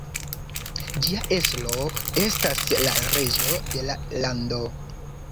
Ĝia estro estas la reĝo de la lando.